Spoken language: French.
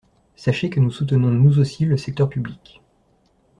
Sachez que nous soutenons, nous aussi, le secteur public.